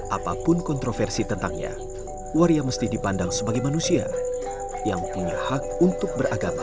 apapun kontroversi tentangnya waria mesti dipandang sebagai manusia yang punya hak untuk beragama